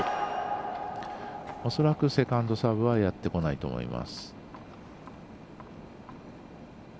恐らく、セカンドサーブはやってこないと思います。